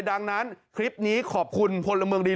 ดังนั้นคลิปนี้ขอบคุณพลเมืองดี